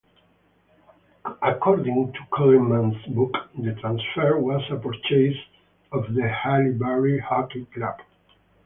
According to Coleman's book, the transfer was a purchase of the Haileybury Hockey Club.